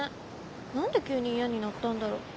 何で急に嫌になったんだろ。